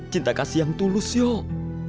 cinta kasih yang tulus yuk